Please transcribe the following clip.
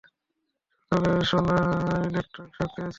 সকালে গুনা electric shock খেয়েছে।